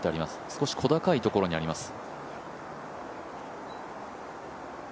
少し小高いところにあります。